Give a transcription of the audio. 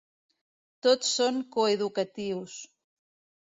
Tots són coeducatius.